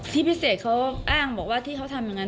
พี่พิเศษเขาอ้างบอกว่าที่เขาทำอย่างนั้น